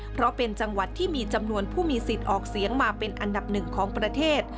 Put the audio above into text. เพราะเป็นจังหวัดที่มีจำนวนผู้มีสิทธิ์ออกเสียงมาเป็นอันดับหนึ่งของประเทศ